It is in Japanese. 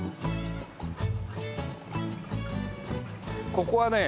ここはね